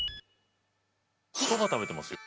そば食べてますよ。